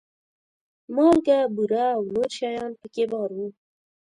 مالګه، بوره او نور شیان په کې بار وو.